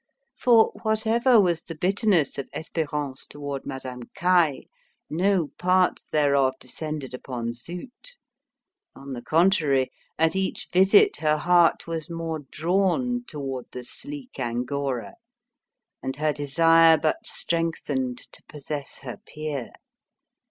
For, whatever was the bitterness of Espérance toward Madame Caille, no part thereof descended upon Zut. On the contrary, at each visit her heart was more drawn toward the sleek angora, and her desire but strengthened to possess her peer.